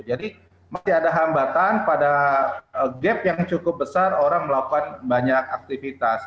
jadi masih ada hambatan pada gap yang cukup besar orang melakukan banyak aktivitas